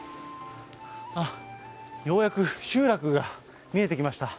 ようやく集落が見えてきました。